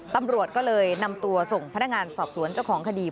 ตำรวจก็เลยนำตัวส่งพนักงานสอบสวนเจ้าของคดี